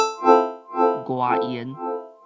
外緣